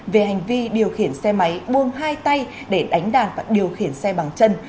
về hành vi điều khiển xe máy buông hai tay để đánh đàn và điều khiển xe bằng chân